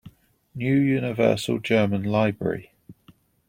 New Universal German Library.